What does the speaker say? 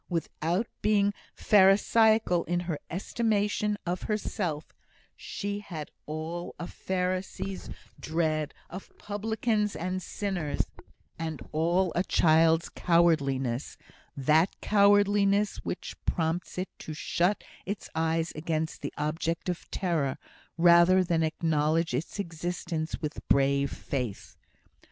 Without being pharisaical in her estimation of herself, she had all a Pharisee's dread of publicans and sinners, and all a child's cowardliness that cowardliness which prompts it to shut its eyes against the object of terror, rather than acknowledge its existence with brave faith.